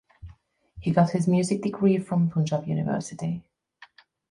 He got his music degree from Punjab University.